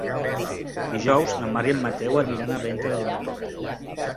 Dijous na Mar i en Mateu aniran a Venta del Moro.